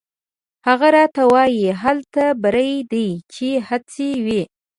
هغه راته وایي: «هلته بری دی چې هڅه وي».